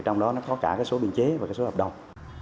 trong đó có cả số biên chế và số hợp đồng